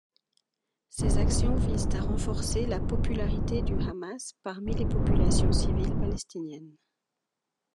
Ces actions visent à renforcer la popularité du Hamas parmi les populations civiles palestiniennes.